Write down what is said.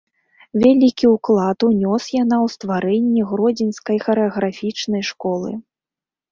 Вялікі ўклад унёс яна ў стварэнні гродзенскай харэаграфічнай школы.